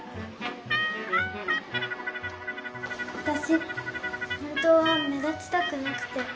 わたし本当は目立ちたくなくて。